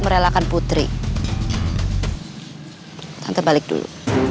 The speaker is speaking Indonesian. merelakan putri kita balik dulu